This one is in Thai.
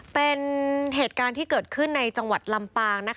เป็นเหตุการณ์ที่เกิดขึ้นในจังหวัดลำปางนะคะ